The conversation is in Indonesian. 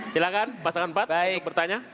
silakan pasangan empat untuk bertanya